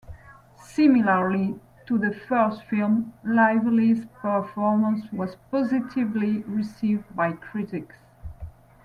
Similarly to the first film, Lively's performance was positively received by critics.